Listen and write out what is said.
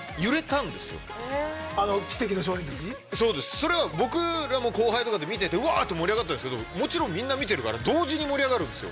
それは僕らも後輩とかと見ててわっと盛り上がったんですけどもちろんみんな見てるから同時に盛り上がるんですよ。